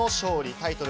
タイトル